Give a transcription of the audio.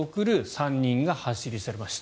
３人が走り去りました。